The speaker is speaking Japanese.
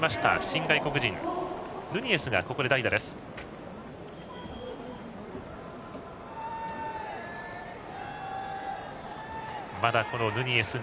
新外国人のヌニエスがここで代打です。